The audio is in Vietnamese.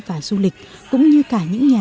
và du lịch cũng như cả những nhà